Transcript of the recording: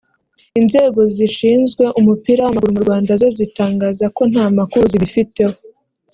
inzego zishinzwe umupira w’amaguru mu Rwanda zo zitangaza ko nta makuru zibifiteho